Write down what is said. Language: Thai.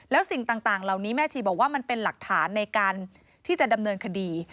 แล้วสิ่งต่างเหล่านี้แม่ชีบอกว่ามันเป็นหลักฐานในการที่จะดำเนินคดี